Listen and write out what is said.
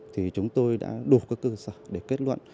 thì chúng tôi đã đủ các cơ sở để kết luận